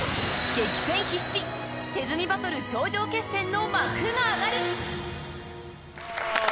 激戦必至、手積みバトル頂上決戦の幕が上がる。